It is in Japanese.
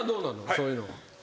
そういうのは。